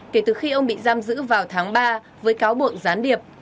kể từ khi ông bị giam giữ vào tháng ba với cáo buộc gián điệp